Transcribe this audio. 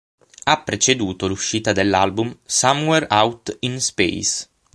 Ha preceduto l'uscita dell'album: "Somewhere Out in Space".